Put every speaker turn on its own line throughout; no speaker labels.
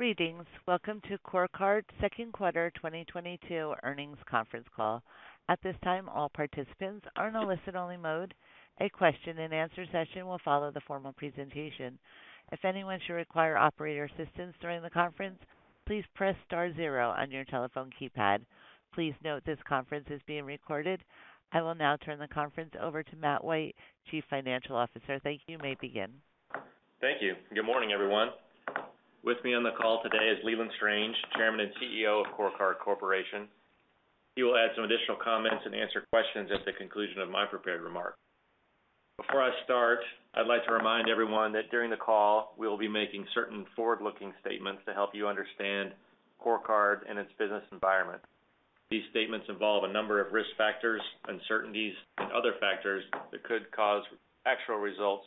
Greetings. Welcome to CoreCard second quarter 2022 earnings conference call. At this time, all participants are in a listen-only mode. A question-and-answer session will follow the formal presentation. If anyone should require operator assistance during the conference, please press star zero on your telephone keypad. Please note this conference is being recorded. I will now turn the conference over to Matt White, Chief Financial Officer. Thank you. You may begin.
Thank you. Good morning, everyone. With me on the call today is Leland Strange, Chairman and CEO of CoreCard Corporation. He will add some additional comments and answer questions at the conclusion of my prepared remarks. Before I start, I'd like to remind everyone that during the call, we will be making certain forward-looking statements to help you understand CoreCard and its business environment. These statements involve a number of risk factors, uncertainties, and other factors that could cause actual results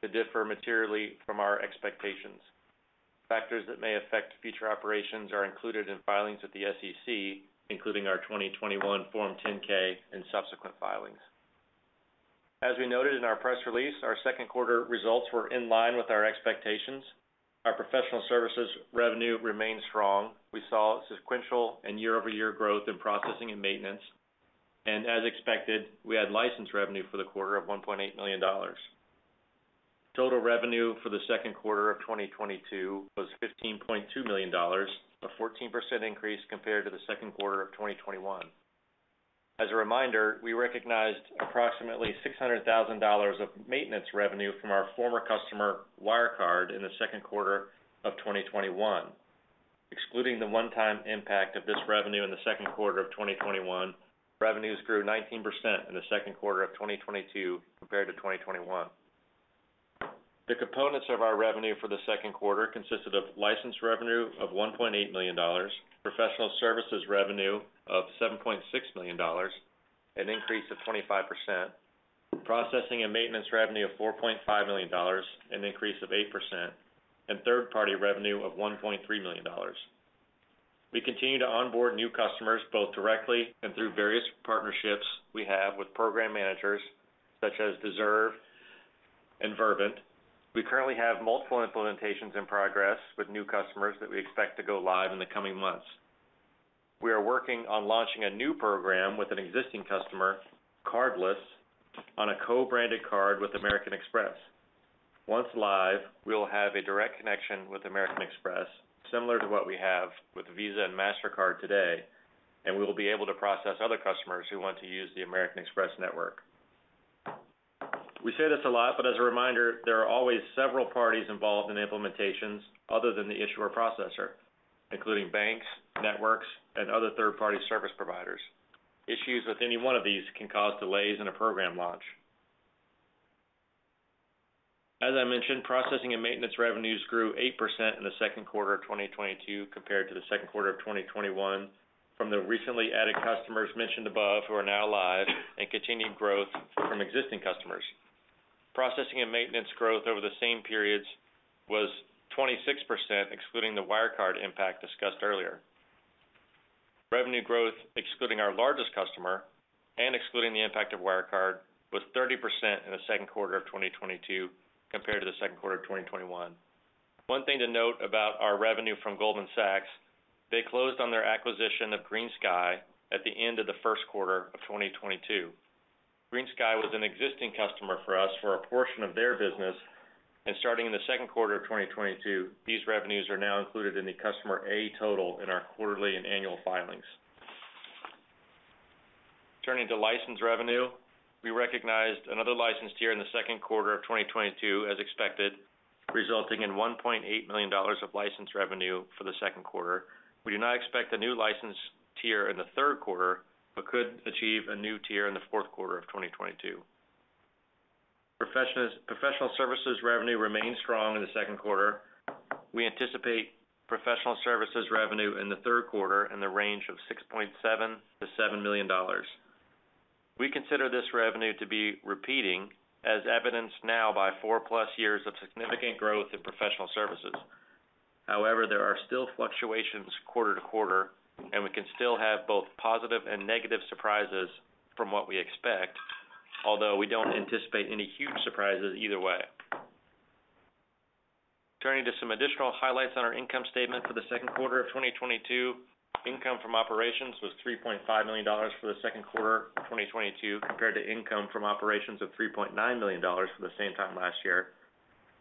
to differ materially from our expectations. Factors that may affect future operations are included in filings with the SEC, including our 2021 Form 10-K and subsequent filings. As we noted in our press release, our second quarter results were in line with our expectations. Our Professional Services revenue remains strong. We saw sequential and year-over-year growth in Processing and Maintenance. As expected, we had license revenue for the quarter of $1.8 million. Total revenue for the second quarter of 2022 was $15.2 million, a 14% increase compared to the second quarter of 2021. As a reminder, we recognized approximately $600,000 of maintenance revenue from our former customer, Wirecard, in the second quarter of 2021. Excluding the one-time impact of this revenue in the second quarter of 2021, revenues grew 19% in the second quarter of 2022 compared to 2021. The components of our revenue for the second quarter consisted of license revenue of $1.8 million, professional services revenue of $7.6 million, an increase of 25%, processing and maintenance revenue of $4.5 million, an increase of 8%, and third-party revenue of $1.3 million. We continue to onboard new customers, both directly and through various partnerships we have with program managers such as Deserve and Vervent. We currently have multiple implementations in progress with new customers that we expect to go live in the coming months. We are working on launching a new program with an existing customer, Cardless, on a co-branded card with American Express. Once live, we will have a direct connection with American Express, similar to what we have with Visa and Mastercard today, and we will be able to process other customers who want to use the American Express network. We say this a lot, but as a reminder, there are always several parties involved in implementations other than the issuer processor, including banks, networks, and other third-party service providers. Issues with any one of these can cause delays in a program launch. As I mentioned, Processing and Maintenance revenues grew 8% in the second quarter of 2022 compared to the second quarter of 2021 from the recently added customers mentioned above, who are now live, and continued growth from existing customers. Processing and Maintenance growth over the same periods was 26%, excluding the Wirecard impact discussed earlier. Revenue growth, excluding our largest customer and excluding the impact of Wirecard, was 30% in the second quarter of 2022 compared to the second quarter of 2021. One thing to note about our revenue from Goldman Sachs, they closed on their acquisition of GreenSky at the end of the first quarter of 2022. GreenSky was an existing customer for us for a portion of their business, and starting in the second quarter of 2022, these revenues are now included in the Customer A total in our quarterly and annual filings. Turning to license revenue, we recognized another license tier in the second quarter of 2022 as expected, resulting in $1.8 million of license revenue for the second quarter. We do not expect a new license tier in the third quarter, but could achieve a new tier in the fourth quarter of 2022. Professional services revenue remained strong in the second quarter. We anticipate professional services revenue in the third quarter in the range of $6.7 million-$7 million. We consider this revenue to be recurring, as evidenced now by 4+ years of significant growth in professional services. However, there are still fluctuations quarter to quarter, and we can still have both positive and negative surprises from what we expect, although we don't anticipate any huge surprises either way. Turning to some additional highlights on our income statement for the second quarter of 2022, income from operations was $3.5 million for the second quarter of 2022, compared to income from operations of $3.9 million for the same time last year.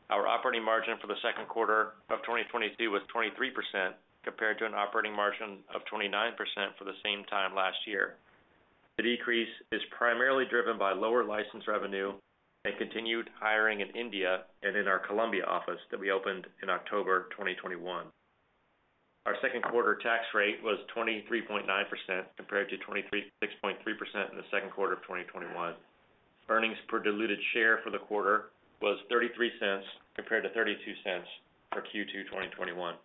Our operating margin for the second quarter of 2022 was 23%, compared to an operating margin of 29% for the same time last year. The decrease is primarily driven by lower license revenue and continued hiring in India and in our Colombia office that we opened in October 2021. Our second quarter tax rate was 23.9%, compared to 23.6% in the second quarter of 2021. Earnings per diluted share for the quarter was $0.33, compared to $0.32 for Q2 2021.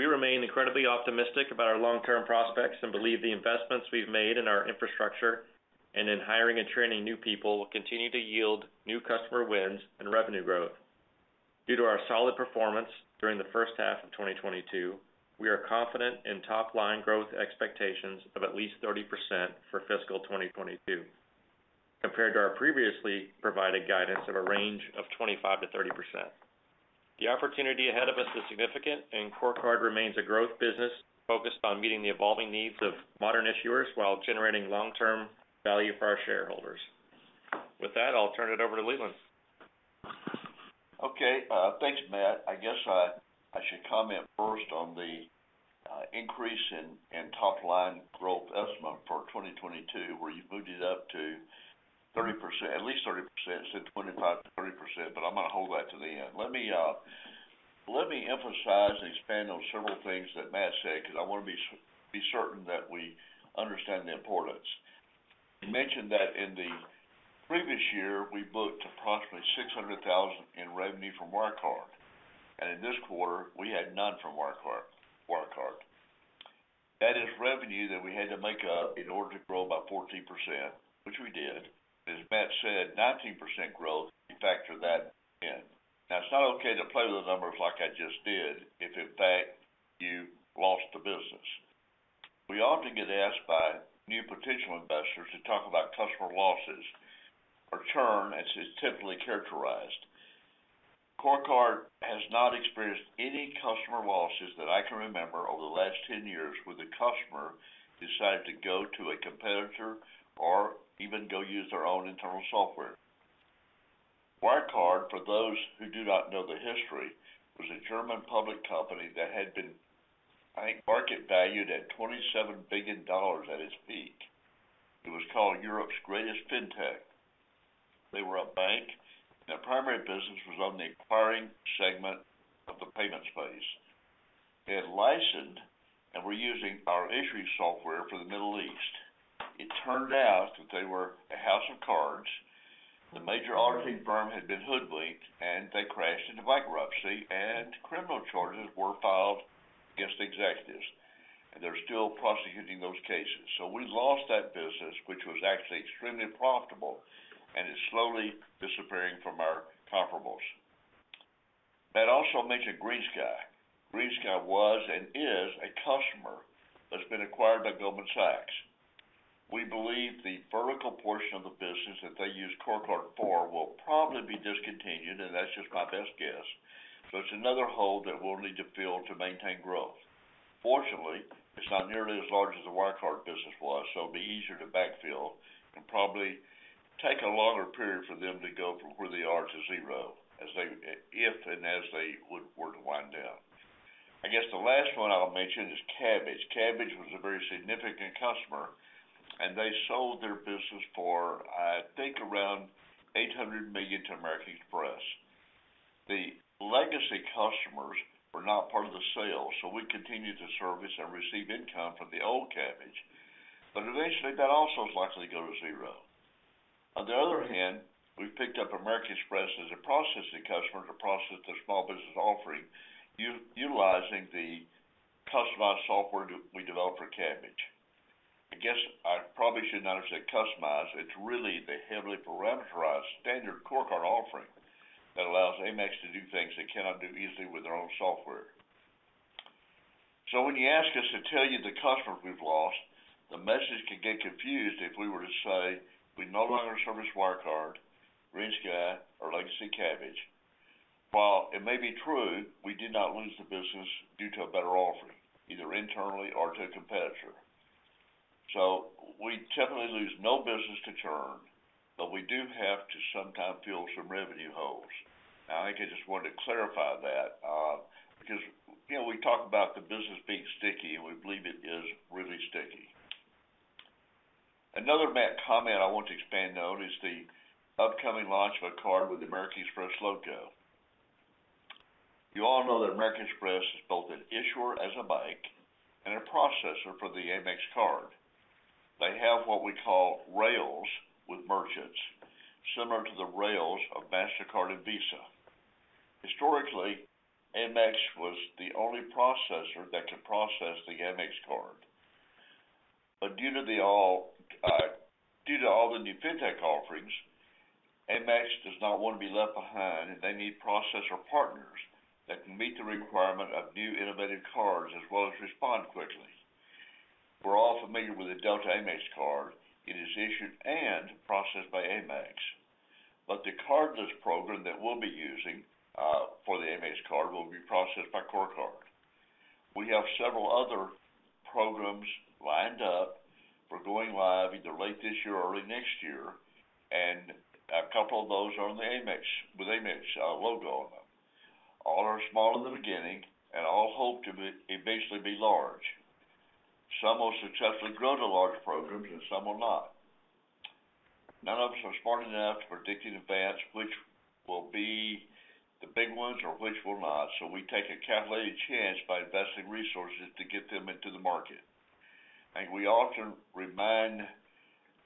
We remain incredibly optimistic about our long-term prospects and believe the investments we've made in our infrastructure and in hiring and training new people will continue to yield new customer wins and revenue growth. Due to our solid performance during the first half of 2022, we are confident in top-line growth expectations of at least 30% for fiscal 2022. Compared to our previously provided guidance of a range of 25%-30%. The opportunity ahead of us is significant, and CoreCard remains a growth business focused on meeting the evolving needs of modern issuers while generating long-term value for our shareholders. With that, I'll turn it over to Leland.
Okay. Thanks, Matt. I guess I should comment first on the increase in top-line growth estimate for 2022, where you moved it up to 30%. At least 30%, instead of 25%-30%, but I'm gonna hold that to the end. Let me emphasize and expand on several things that Matt said because I wanna be certain that we understand the importance. You mentioned that in the previous year, we booked approximately $600,000 in revenue from Wirecard, and in this quarter, we had none from Wirecard. That is revenue that we had to make up in order to grow by 14%, which we did. As Matt said, 19% growth, you factor that in. Now, it's not okay to play with the numbers like I just did if, in fact, you lost the business. We often get asked by new potential investors to talk about customer losses or churn as it's typically characterized. CoreCard has not experienced any customer losses that I can remember over the last 10 years, where the customer decided to go to a competitor or even go use their own internal software. Wirecard, for those who do not know the history, was a German public company that had been, I think, market valued at $27 billion at its peak. It was called Europe's greatest fintech. They were a bank, and their primary business was on the acquiring segment of the payments space. They had licensed and were using our issuing software for the Middle East. It turned out that they were a house of cards. The major auditing firm had been hoodwinked, and they crashed into bankruptcy, and criminal charges were filed against executives, and they're still prosecuting those cases. We lost that business, which was actually extremely profitable, and is slowly disappearing from our comparables. Matt also mentioned GreenSky. GreenSky was and is a customer that's been acquired by Goldman Sachs. We believe the vertical portion of the business that they use CoreCard for will probably be discontinued, and that's just my best guess. It's another hole that we'll need to fill to maintain growth. Fortunately, it's not nearly as large as the Wirecard business was, so it'll be easier to backfill and probably take a longer period for them to go from where they are to zero if and as they were to wind down. I guess the last one I'll mention is Kabbage. Kabbage was a very significant customer, and they sold their business for, I think, around $800 million to American Express. The legacy customers were not part of the sale, so we continued to service and receive income from the old Kabbage. Eventually, that also is likely to go to zero. On the other hand, we picked up American Express as a processing customer to process their small business offering, utilizing the customized software we developed for Kabbage. I guess I probably should not have said customize. It's really the heavily parameterized standard CoreCard offering that allows Amex to do things they cannot do easily with their own software. When you ask us to tell you the customers we've lost, the message could get confused if we were to say we no longer service Wirecard, GreenSky, or legacy Kabbage. While it may be true, we did not lose the business due to a better offering, either internally or to a competitor. We technically lose no business to churn, but we do have to sometimes fill some revenue holes. Now, I think I just wanted to clarify that, because, you know, we talk about the business being sticky, and we believe it is really sticky. Another Matt comment I want to expand on is the upcoming launch of a card with the American Express logo. You all know that American Express is both an issuer as a bank and a processor for the Amex card. They have what we call rails with merchants, similar to the rails of Mastercard and Visa. Historically, Amex was the only processor that could process the Amex card. Due to all the new Fintech offerings, Amex does not want to be left behind, and they need processor partners that can meet the requirement of new innovative cards as well as respond quickly. We're all familiar with the Delta Amex card. It is issued and processed by Amex. The Cardless program that we'll be using for the Amex card will be processed by CoreCard. We have several other programs lined up for going live either late this year or early next year, and a couple of those are on the Amex with Amex logo on them. All are small in the beginning, and all hope to eventually be large. Some will successfully grow to large programs, and some will not. None of us are smart enough to predict in advance which will be the big ones or which will not, so we take a calculated chance by investing resources to get them into the market. We often remind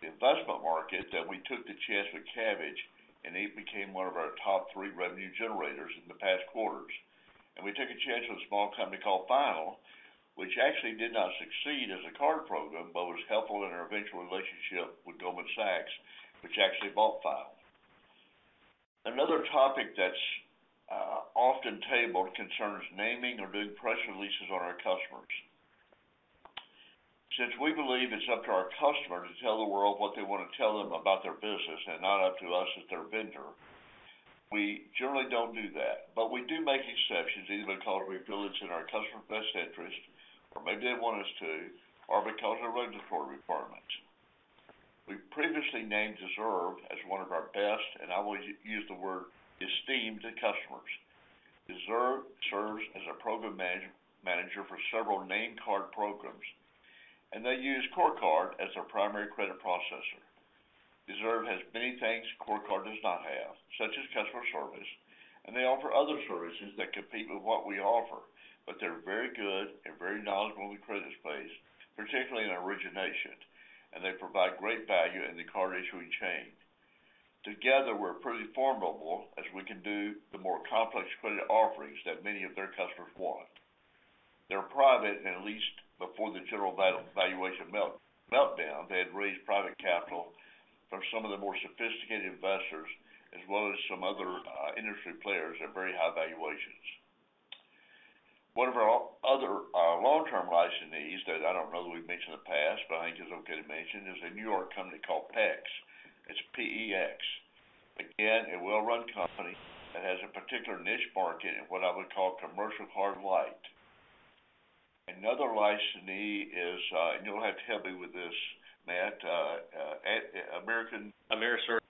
the investment market that we took the chance with Kabbage, and it became one of our top three revenue generators in the past quarters. We took a chance with a small company called Final, which actually did not succeed as a card program, but was helpful in our eventual relationship with Goldman Sachs, which actually bought Final. Another topic that's often tabled concerns naming or doing press releases on our customers. Since we believe it's up to our customer to tell the world what they wanna tell them about their business and not up to us as their vendor, we generally don't do that. We do make exceptions, either because we feel it's in our customer's best interest, or maybe they want us to, or because of regulatory requirements. We previously named Deserve as one of our best, and I will use the word esteemed customers. Deserve serves as a program manager for several named card programs, and they use CoreCard as their primary credit processor. Deserve has many things CoreCard does not have, such as customer service, and they offer other services that compete with what we offer. They're very good and very knowledgeable in the credit space, particularly in origination, and they provide great value in the card issuing chain. Together, we're pretty formidable as we can do the more complex credit offerings that many of their customers want. They're private, and at least before the general valuation meltdown, they had raised private capital from some of the more sophisticated investors, as well as some other industry players at very high valuations. One of our other long-term licensees that I don't know that we've mentioned in the past, but I think it's okay to mention, is a New York company called PEX. It's P-E-X. Again, a well-run company that has a particular niche market in what I would call commercial card light. Another licensee is, and you'll have to help me with this, Matt, American-
AmerisourceBergen.
AmerisourceBergen,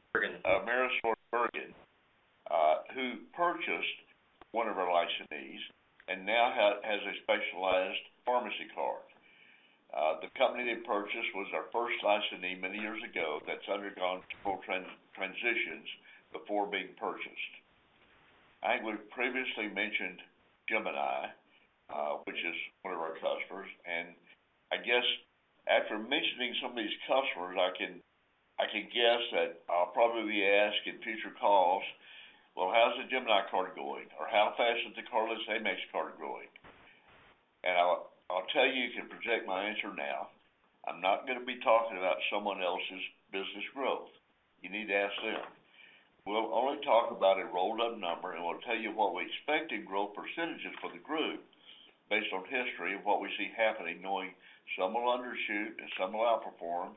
who purchased one of our licensees and now has a specialized pharmacy card. The company they purchased was our first licensee many years ago that's undergone several transitions before being purchased. I would've previously mentioned Gemini, which is one of our customers. I guess after mentioning some of these customers, I can guess that I'll probably be asked in future calls, "Well, how's the Gemini card going?" Or, "How fast is the Cardless Amex card going?" I'll tell you can project my answer now. I'm not gonna be talking about someone else's business growth. You need to ask them. We'll only talk about a rolled up number, and we'll tell you what we expect in growth percentages for the group based on history of what we see happening, knowing some will undershoot and some will outperform,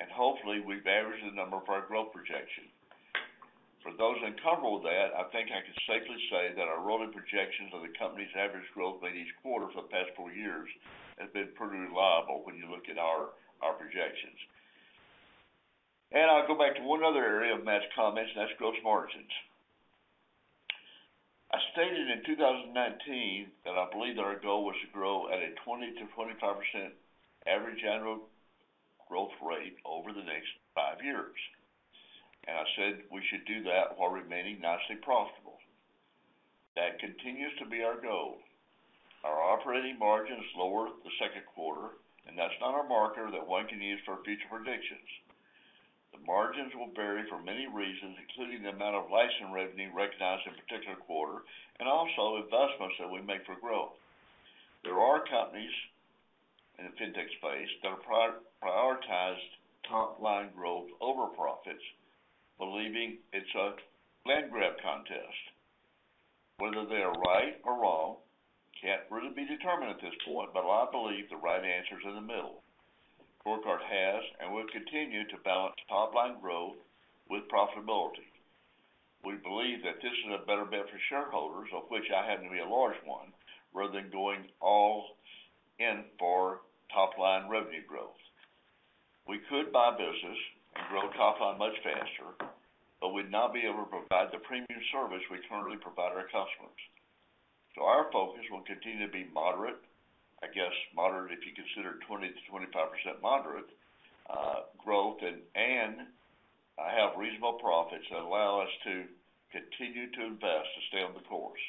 and hopefully we've averaged the number for our growth projection. For those uncomfortable with that, I think I can safely say that our rolling projections of the company's average growth rate each quarter for the past 4 years have been pretty reliable when you look at our projections. I'll go back to one other area of Matt's comments, and that's gross margins. I stated in 2019 that I believe that our goal was to grow at a 20%-25% average annual growth rate over the next 5 years. I said we should do that while remaining nicely profitable. That continues to be our goal. Our operating margin is lower in the second quarter, and that's not a marker that one can use for future predictions. The margins will vary for many reasons, including the amount of license revenue recognized in a particular quarter, and also investments that we make for growth. There are companies in the Fintech space that have prioritized top-line growth over profits, believing it's a land grab contest. Whether they are right or wrong can't really be determined at this point, but I believe the right answer is in the middle. CoreCard has and will continue to balance top-line growth with profitability. We believe that this is a better bet for shareholders, of which I happen to be a large one, rather than going all in for top-line revenue growth. We could buy business and grow top line much faster, but we'd not be able to provide the premium service we currently provide our customers. Our focus will continue to be moderate, I guess moderate if you consider 20%-25% moderate, growth and have reasonable profits that allow us to continue to invest to stay on the course.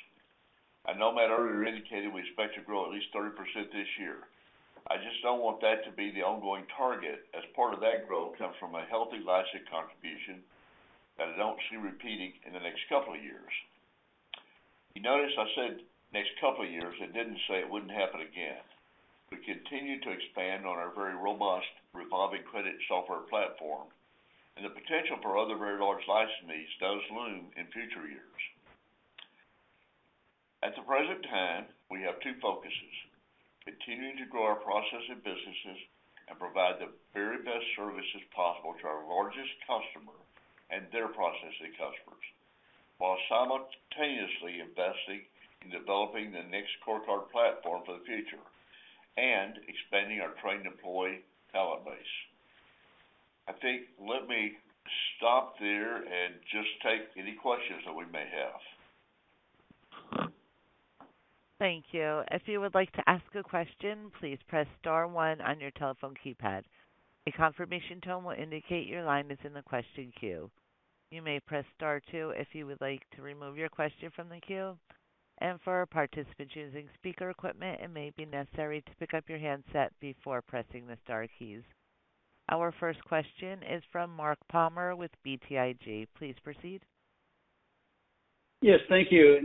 I know, Matt, earlier indicated we expect to grow at least 30% this year. I just don't want that to be the ongoing target, as part of that growth comes from a healthy licensing contribution that I don't see repeating in the next couple of years. You notice I said next couple of years. I didn't say it wouldn't happen again. We continue to expand on our very robust revolving credit software platform, and the potential for other very large licensees does loom in future years. At the present time, we have two focuses: continuing to grow our processing businesses and provide the very best services possible to our largest customer and their processing customers, while simultaneously investing in developing the next CoreCard platform for the future and expanding our trained employee talent base. I think let me stop there and just take any questions that we may have.
Thank you. If you would like to ask a question, please press star one on your telephone keypad. A confirmation tone will indicate your line is in the question queue. You may press star two if you would like to remove your question from the queue. For participants using speaker equipment, it may be necessary to pick up your handset before pressing the star keys. Our first question is from Mark Palmer with BTIG. Please proceed.
Yes, thank you.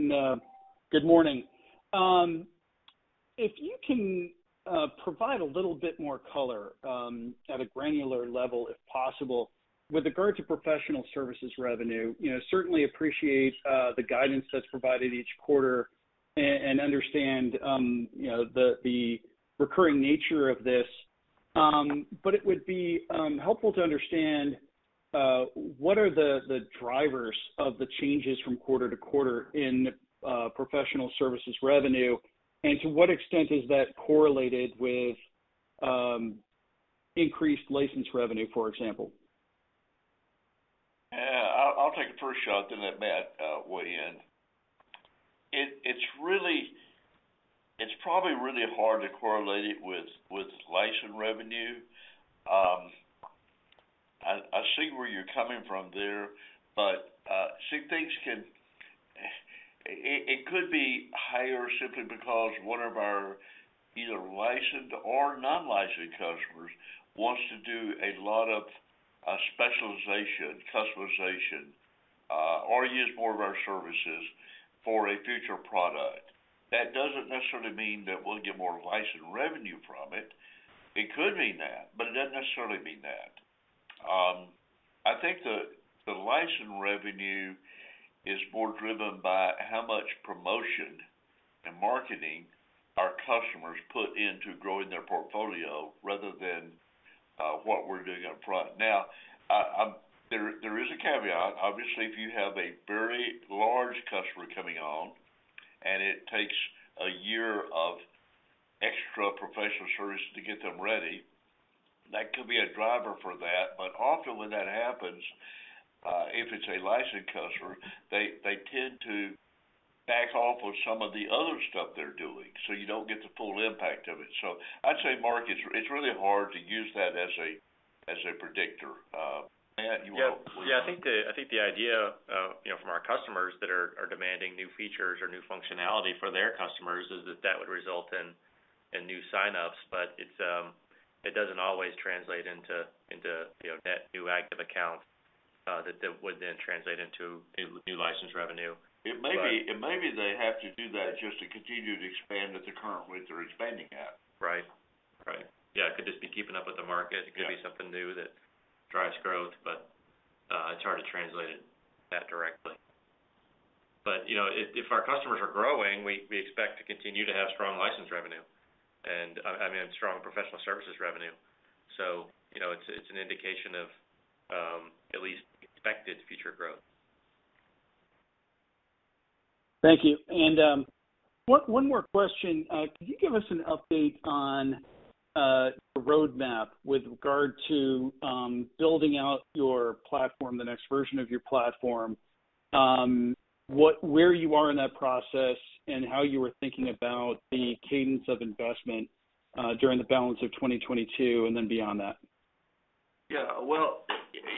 Good morning. If you can provide a little bit more color at a granular level, if possible, with regard to professional services revenue. You know, certainly appreciate the guidance that's provided each quarter and understand you know, the recurring nature of this. It would be helpful to understand what are the drivers of the changes from quarter to quarter in professional services revenue, and to what extent is that correlated with increased license revenue, for example?
Yeah. I'll take the first shot, then let Matt weigh in. It's probably really hard to correlate it with license revenue. I see where you're coming from there, but it could be higher simply because one of our either licensed or non-licensed customers wants to do a lot of specialization, customization, or use more of our services for a future product. That doesn't necessarily mean that we'll get more license revenue from it. It could mean that, but it doesn't necessarily mean that. I think the license revenue is more driven by how much promotion and marketing our customers put into growing their portfolio rather than what we're doing up front. Now, there is a caveat. Obviously, if you have a very large customer coming on, and it takes a year of extra professional services to get them ready, that could be a driver for that. But often when that happens, if it's a licensed customer, they tend to back off on some of the other stuff they're doing, so you don't get the full impact of it. I'd say, Mark, it's really hard to use that as a predictor. Matt, you wanna weigh in on that?
Yeah. I think the idea, you know, from our customers that are demanding new features or new functionality for their customers is that that would result in new sign-ups. It's. It doesn't always translate into, you know, net new active accounts, that would then translate into a new license revenue.
It may be they have to do that just to continue to expand at the current rates they're expanding at.
Right. Yeah. It could just be keeping up with the market.
Yeah.
It could be something new that drives growth, but it's hard to translate it that directly. You know, if our customers are growing, we expect to continue to have strong license revenue and, I mean, strong Professional Services revenue. You know, it's an indication of at least expected future growth.
Thank you. One more question. Could you give us an update on the roadmap with regard to building out your platform, the next version of your platform? Where you are in that process and how you were thinking about the cadence of investment during the balance of 2022 and then beyond that?
Yeah. Well,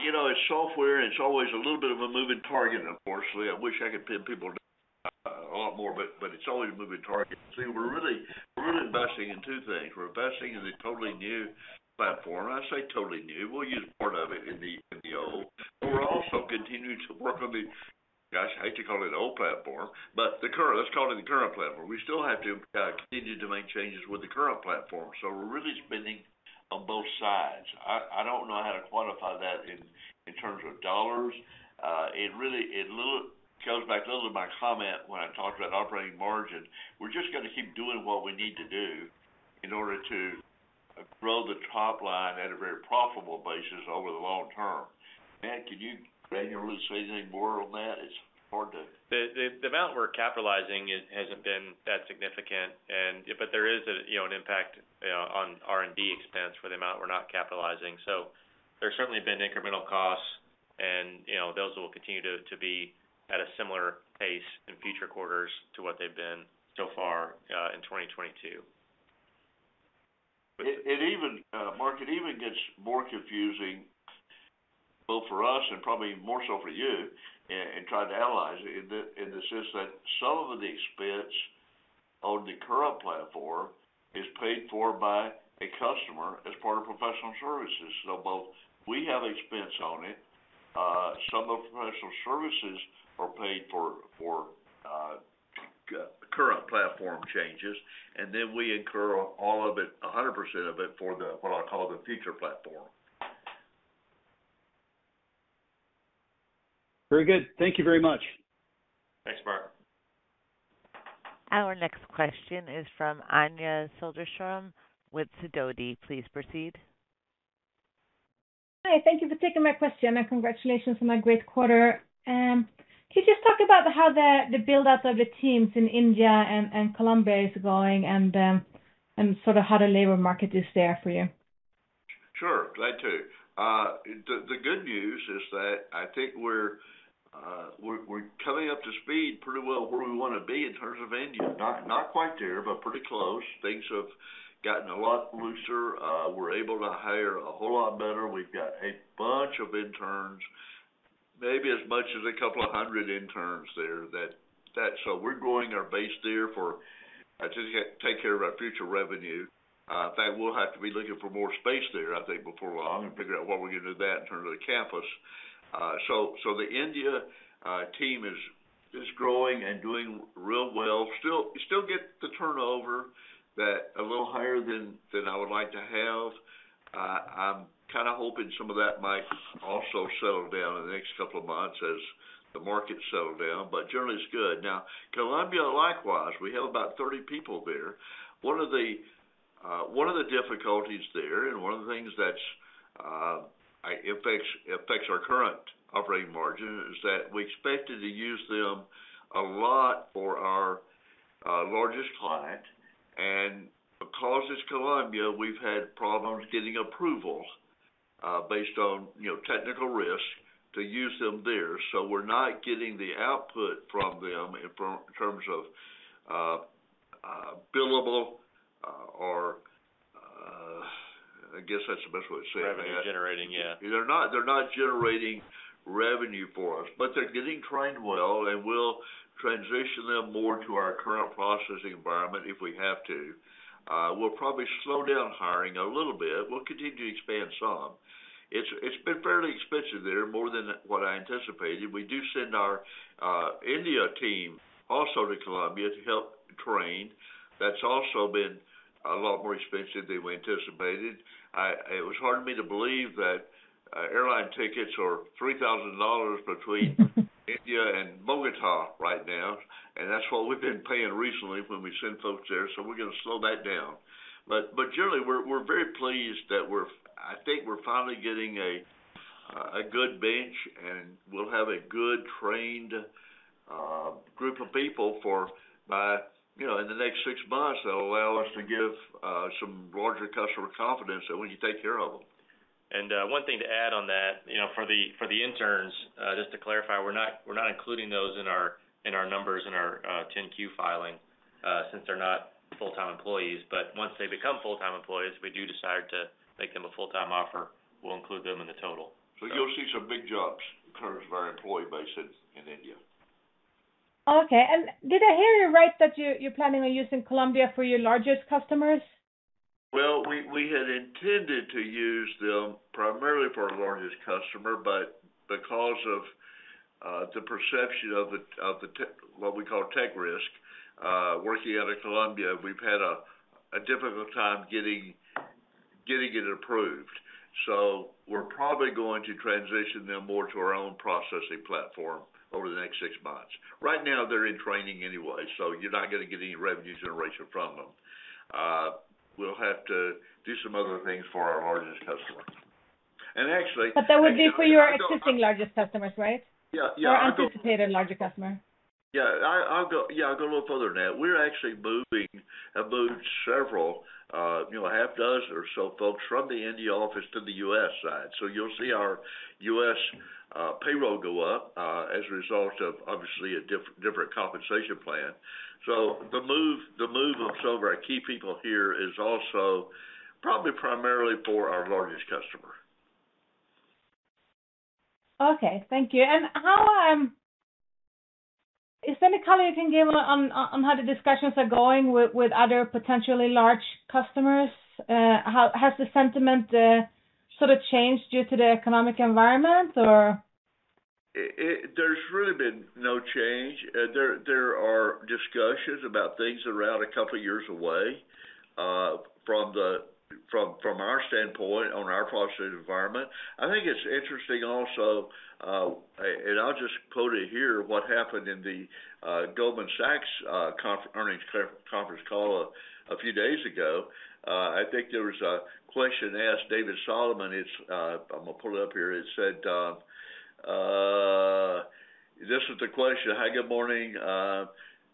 you know, as software, it's always a little bit of a moving target, unfortunately. I wish I could pin people down a lot more, but it's always a moving target. See, we're really investing in two things. We're investing in a totally new platform. I say totally new. We'll use part of it in the old. We're also continuing to work on the, gosh, I hate to call it an old platform, but the current. Let's call it the current platform. We still have to continue to make changes with the current platform. We're really spending on both sides. I don't know how to quantify that in terms of dollars. It really goes back a little to my comment when I talked about operating margin. We're just gonna keep doing what we need to do in order to grow the top line at a very profitable basis over the long term. Matt, can you granularly say anything more on that?
The amount we're capitalizing hasn't been that significant. There is, you know, an impact, you know, on R&D expense for the amount we're not capitalizing. There's certainly been incremental costs and, you know, those will continue to be at a similar pace in future quarters to what they've been so far in 2022.
It even gets more confusing, Mark, both for us and probably more so for you in trying to analyze it, in the sense that some of the expense on the current platform is paid for by a customer as part of professional services. We have expense on it, some of the professional services are paid for current platform changes, and then we incur all of it, 100% of it, for what I'll call the future platform.
Very good. Thank you very much.
Thanks, Mark.
Our next question is from Anja Soderstrom with Sidoti. Please proceed.
Hi, thank you for taking my question, and congratulations on a great quarter. Can you just talk about how the build-out of the teams in India and Colombia is going and sort of how the labor market is there for you?
Sure. Glad to. The good news is that I think we're coming up to speed pretty well where we wanna be in terms of India. Not quite there, but pretty close. Things have gotten a lot looser. We're able to hire a whole lot better. We've got a bunch of interns, maybe as much as a couple of hundred interns there. We're growing our base there to take care of our future revenue. In fact, we'll have to be looking for more space there, I think, before long and figure out what we're gonna do with that in terms of the campus. The India team is growing and doing real well. Still, you get the turnover that's a little higher than I would like to have. I'm kinda hoping some of that might also settle down in the next couple of months as the market settle down, but generally it's good. Now, Colombia, likewise, we have about 30 people there. One of the difficulties there, and one of the things that's it affects our current operating margin, is that we expected to use them a lot for our largest client. Because it's Colombia, we've had problems getting approval based on, you know, technical risk to use them there. We're not getting the output from them in terms of billable or, I guess, that's the best way to say it.
Revenue generating, yeah.
They're not generating revenue for us, but they're getting trained well, and we'll transition them more to our current processing environment if we have to. We'll probably slow down hiring a little bit. We'll continue to expand some. It's been fairly expensive there, more than what I anticipated. We do send our India team also to Colombia to help train. That's also been a lot more expensive than we anticipated. It was hard for me to believe that airline tickets are $3,000 between India and Bogotá right now, and that's what we've been paying recently when we send folks there. We're gonna slow that down. Generally, we're very pleased that I think we're finally getting a good bench, and we'll have a good trained group of people by, you know, in the next six months. That'll allow us to give some larger customer confidence that we can take care of them.
One thing to add on that, you know, for the interns, just to clarify, we're not including those in our numbers in our Form 10-Q filing, since they're not full-time employees. Once they become full-time employees, we do decide to make them a full-time offer, we'll include them in the total.
You'll see some big jumps in terms of our employee base in India.
Okay. Did I hear you right that you're planning on using Colombia for your largest customers?
Well, we had intended to use them primarily for our largest customer, but because of the perception of the tech risk working out of Colombia, we've had a difficult time getting it approved. We're probably going to transition them more to our own processing platform over the next six months. Right now, they're in training anyway, so you're not gonna get any revenue generation from them. We'll have to do some other things for our largest customer.
That would be for your existing largest customers, right?
Yeah, yeah.
Anticipated larger customer.
I'll go a little further than that. We've actually moved several, a half dozen or so folks from the India office to the U.S. side. You'll see our U.S. payroll go up as a result of obviously a different compensation plan. The move of some of our key people here is also probably primarily for our largest customer.
Okay, thank you. How is there any color you can give on how the discussions are going with other potentially large customers? How has the sentiment sort of changed due to the economic environment or?
There's really been no change. There are discussions about things that are out a couple of years away, from our standpoint on our processing environment. I think it's interesting also, and I'll just quote it here, what happened in the Goldman Sachs earnings conference call a few days ago. I think there was a question asked, David Solomon. I'm gonna pull it up here. It said, this was the question. "Hi, good morning.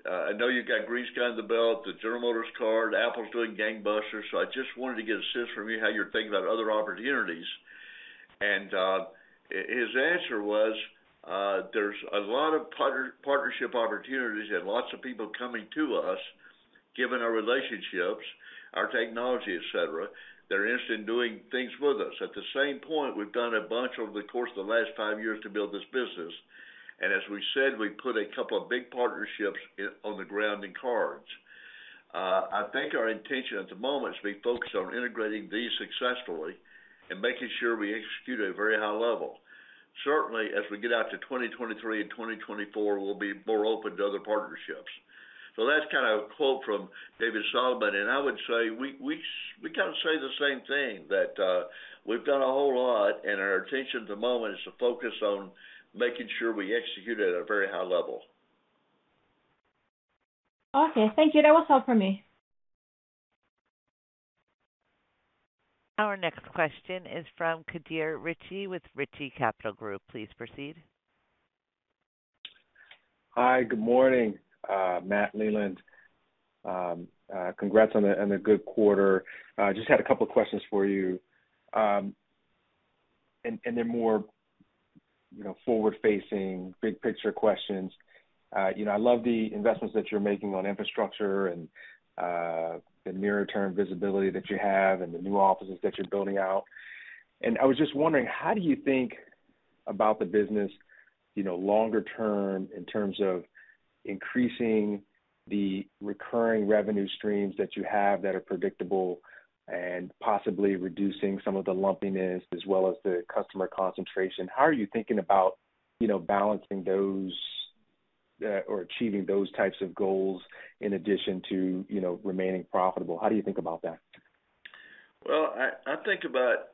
I know you've got GreenSky the deal, the General Motors card, Apple's doing gangbusters. I just wanted to get a sense from you how you're thinking about other opportunities. His answer was, "There's a lot of partnership opportunities and lots of people coming to us, given our relationships, our technology, et cetera. They're interested in doing things with us. At the same point, we've done a bunch over the course of the last five years to build this business. And as we said, we put a couple of big partnerships on the ground in cards. I think our intention at the moment is to be focused on integrating these successfully and making sure we execute at a very high level. Certainly, as we get out to 2023 and 2024, we'll be more open to other partnerships." That's kind of a quote from David Solomon. I would say we kinda say the same thing, that we've done a whole lot, and our attention at the moment is to focus on making sure we execute at a very high level.
Okay, thank you. That was all for me.
Our next question is from Kadir Richie with Richie Capital Group. Please proceed.
Hi, good morning, Matt, Leland. Congrats on a good quarter. Just had a couple of questions for you. And they're more, you know, forward-facing, big picture questions. You know, I love the investments that you're making on infrastructure and the near-term visibility that you have and the new offices that you're building out. I was just wondering, how do you think about the business. You know, longer term in terms of increasing the recurring revenue streams that you have that are predictable and possibly reducing some of the lumpiness as well as the customer concentration. How are you thinking about, you know, balancing those or achieving those types of goals in addition to, you know, remaining profitable? How do you think about that?
Well, I think about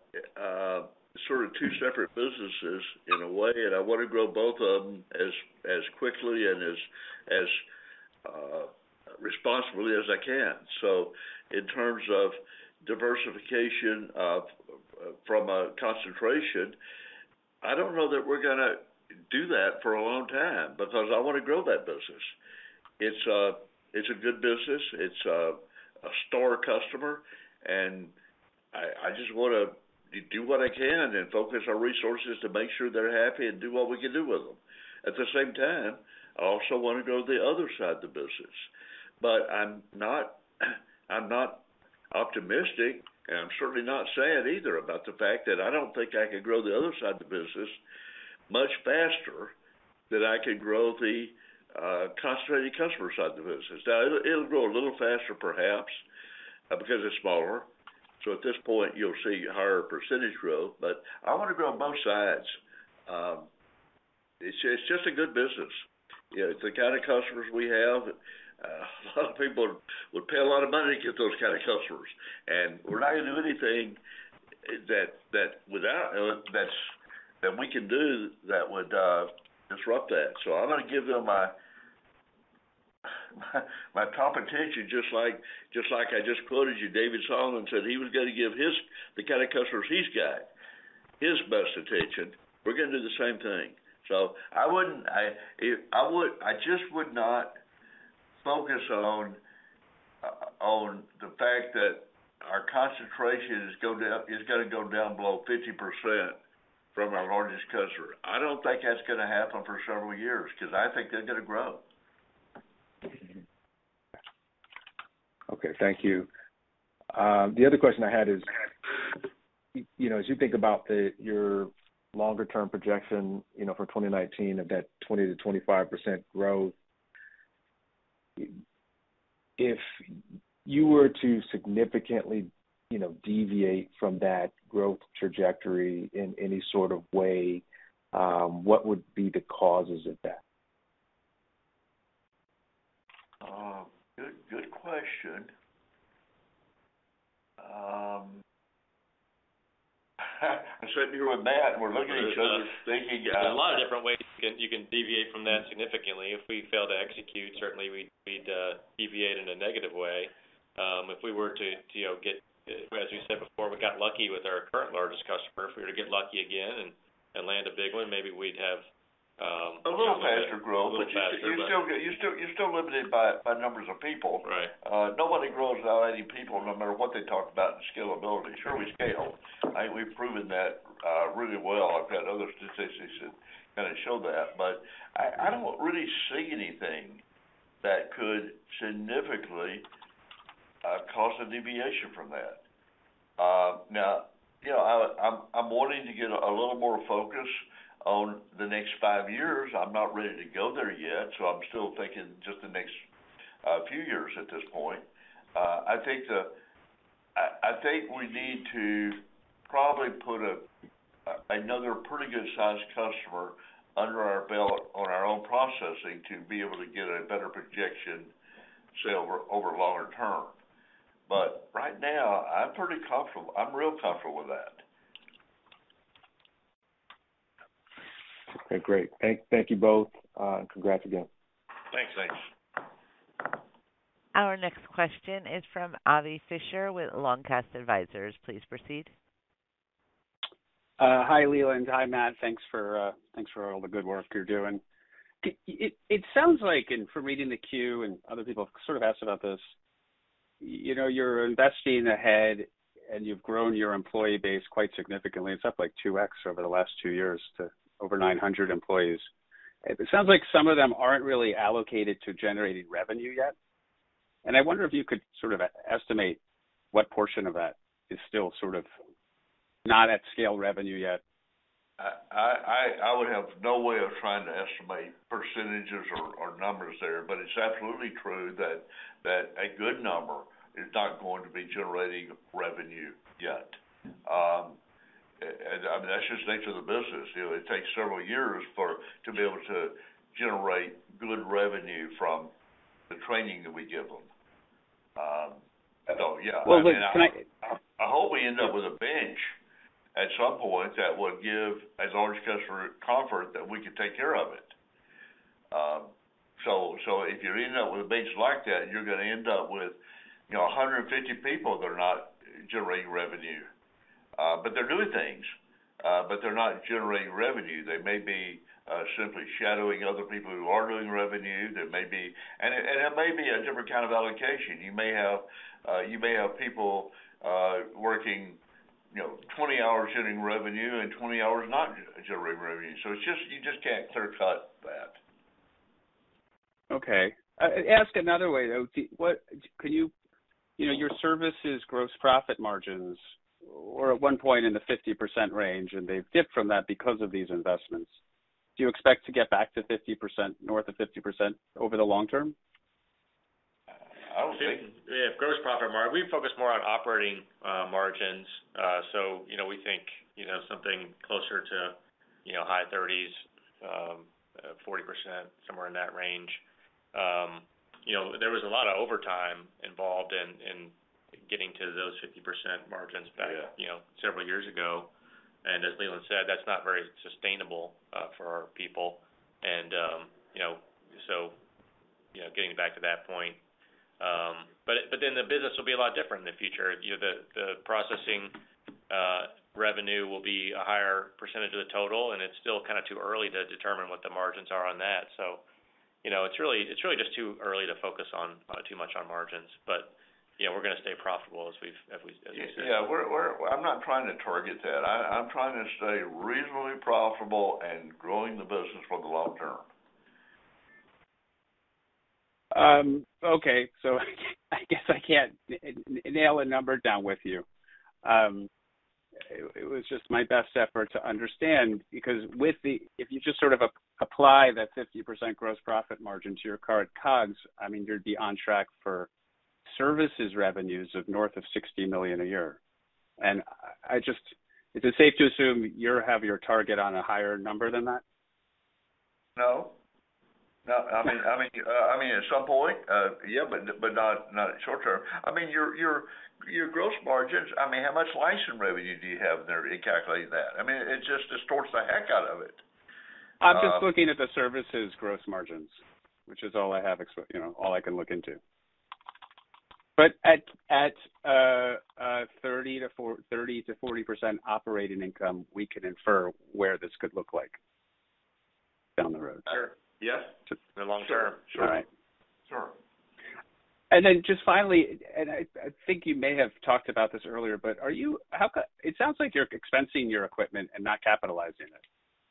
sort of two separate businesses in a way, and I wanna grow both of them as quickly and as responsibly as I can. In terms of diversification from a concentration, I don't know that we're gonna do that for a long time because I wanna grow that business. It's a good business. It's a star customer, and I just wanna do what I can and focus our resources to make sure they're happy and do what we can do with them. At the same time, I also wanna grow the other side of the business. I'm not optimistic, and I'm certainly not sad either about the fact that I don't think I could grow the other side of the business much faster than I can grow the concentrated customer side of the business. Now, it'll grow a little faster perhaps, because it's smaller. At this point you'll see higher percentage growth. I wanna grow both sides. It's just a good business. You know, the kinda customers we have, a lot of people would pay a lot of money to get those kinda customers. We're not gonna do anything that we can do that would disrupt that. I'm gonna give them my top attention, just like I just quoted you, David Solomon said he was gonna give his, the kinda customers he's got, his best attention. We're gonna do the same thing. I just would not focus on the fact that our concentration is going up, is gonna go down below 50% from our largest customer. I don't think that's gonna happen for several years, 'cause I think they're gonna grow.
Okay. Thank you. The other question I had is, you know, as you think about your longer term projection, you know, for 2019 of that 20%-25% growth, if you were to significantly, you know, deviate from that growth trajectory in any sort of way, what would be the causes of that?
Good question. I'm sitting here with Matt, and we're looking at each other thinking,
A lot of different ways you can deviate from that significantly. If we fail to execute, certainly we'd deviate in a negative way. If we were to, you know, get, as you said before, we got lucky with our current largest customer. If we were to get lucky again and land a big one, maybe we'd have
A little faster growth.
A little faster, but.
You're still limited by numbers of people.
Right.
Nobody grows without any people, no matter what they talk about in scalability. Sure, we scale. We've proven that really well. I've got other statistics that kinda show that. I don't really see anything that could significantly cause a deviation from that. Now, you know, I'm wanting to get a little more focus on the next five years. I'm not ready to go there yet, so I'm still thinking just the next few years at this point. I think we need to probably put another pretty good sized customer under our belt on our own processing to be able to get a better projection, say, over longer term. Right now, I'm pretty comfortable. I'm real comfortable with that.
Okay. Great. Thank you both. Congrats again.
Thanks.
Our next question is from Avram Fisher with Long Cast Advisers. Please proceed.
Hi, Leland. Hi, Matt. Thanks for all the good work you're doing. It sounds like, from reading the 10-Q and other people have sort of asked about this, you know, you're investing ahead and you've grown your employee base quite significantly. It's up like 2x over the last two years to over 900 employees. It sounds like some of them aren't really allocated to generating revenue yet, and I wonder if you could sort of estimate what portion of that is still sort of not at scale revenue yet.
I would have no way of trying to estimate percentages or numbers there, but it's absolutely true that a good number is not going to be generating revenue yet. I mean, that's just nature of the business. You know, it takes several years to be able to generate good revenue from the training that we give them. Yeah.
Well, wait. Can I?
I hope we end up with a bench at some point that would give as large customer comfort that we can take care of it. So if you end up with a bench like that, you're gonna end up with, you know, 150 people that are not generating revenue. But they're doing things, but they're not generating revenue. They may be simply shadowing other people who are doing revenue. They may be. It may be a different kind of allocation. You may have people working, you know, 20 hours generating revenue and 20 hours not generating revenue. It's just, you just can't clear cut.
Okay. Ask another way, though. You know, your services gross profit margins were at one point in the 50% range, and they've dipped from that because of these investments. Do you expect to get back to 50%, north of 50% over the long term?
I don't think.
Yeah, gross profit margin. We focus more on operating margins. You know, we think something closer to high 30s, 40%, somewhere in that range. You know, there was a lot of overtime involved in getting to those 50% margins back.
Yeah
You know, several years ago. As Leland said, that's not very sustainable for our people. You know, getting back to that point. But then the business will be a lot different in the future. You know, the processing revenue will be a higher percentage of the total, and it's still kind of too early to determine what the margins are on that. You know, it's really just too early to focus on too much on margins. Yeah, we're gonna stay profitable as we've said.
Yeah. I'm not trying to target that. I'm trying to stay reasonably profitable and growing the business for the long term.
I guess I can't nail a number down with you. It was just my best effort to understand, because if you just sort of apply that 50% gross profit margin to your current COGS, I mean, you'd be on track for services revenues of north of $60 million a year. I just. Is it safe to assume you have your target on a higher number than that?
No. I mean, at some point, yeah, but not short term. I mean, your gross margins, I mean, how much license revenue do you have there to calculate that? I mean, it just distorts the heck out of it.
I'm just looking at the services gross margins, which is all I have, you know, all I can look into. At 30%-40% operating income, we can infer where this could look like down the road.
Sure. Yes.
Just-
The long term.
Sure.
All right.
Sure.
Just finally, I think you may have talked about this earlier, but it sounds like you're expensing your equipment and not capitalizing it.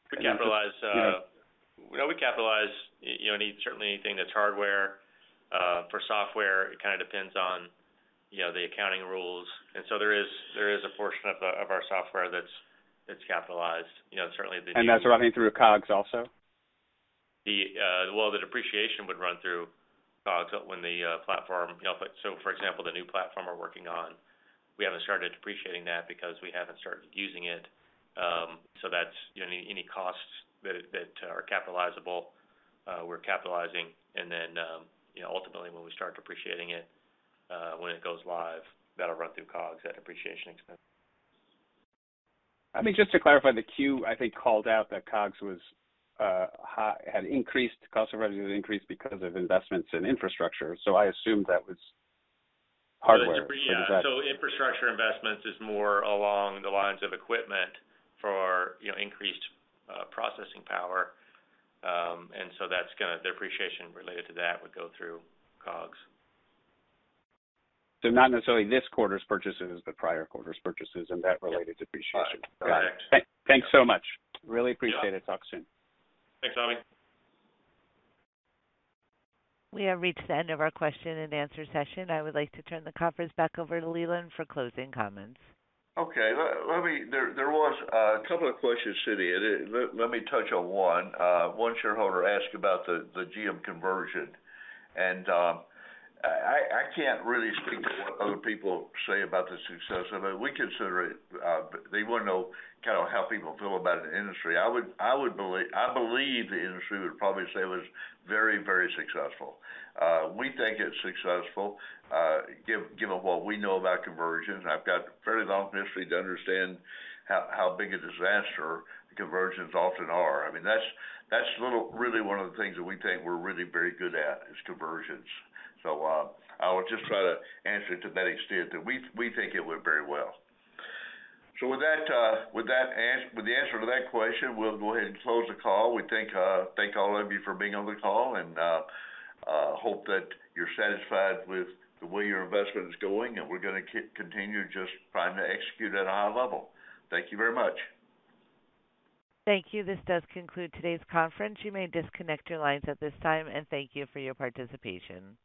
Just-
We capitalize, you know, any, certainly anything that's hardware. For software, it kinda depends on, you know, the accounting rules. There is a portion of our software that's capitalized. You know, certainly the-
That's running through COGS also?
Well, the depreciation would run through COGS when the platform, you know, like, so for example, the new platform we're working on, we haven't started depreciating that because we haven't started using it. That's, you know, any costs that are capitalizable, we're capitalizing. You know, ultimately, when we start depreciating it, when it goes live, that'll run through COGS, that depreciation expense.
I mean, just to clarify, the Q, I think, called out that COGS had increased, cost of revenue had increased because of investments in infrastructure. I assumed that was hardware. Is that?
Yeah. Infrastructure investments is more along the lines of equipment for, you know, increased processing power. Depreciation related to that would go through COGS.
Not necessarily this quarter's purchases, but prior quarter's purchases and that related depreciation.
Correct.
Got it. Thanks so much. Really appreciate it.
Yeah.
Talk soon.
Thanks, Avi.
We have reached the end of our question and answer session. I would like to turn the conference back over to Leland for closing comments.
Let me touch on one. One shareholder asked about the GM conversion. I can't really speak to what other people say about the success of it. We consider it. They wanna know kind of how people feel about the industry. I believe the industry would probably say it was very successful. We think it's successful, given what we know about conversions. I've got a fairly long history to understand how big a disaster conversions often are. I mean, that's really one of the things that we think we're really very good at, is conversions. I would just try to answer it to that extent, that we think it went very well. With that answer to that question, we'll go ahead and close the call. We thank all of you for being on the call, and hope that you're satisfied with the way your investment is going, and we're gonna continue just trying to execute at a high level. Thank you very much.
Thank you. This does conclude today's conference. You may disconnect your lines at this time, and thank you for your participation.